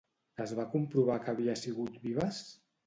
Es va comprovar que havia sigut Vives?